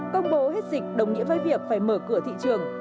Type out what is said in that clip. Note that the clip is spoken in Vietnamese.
công bố hết dịch đồng nghĩa với việc phải mở cửa thị trường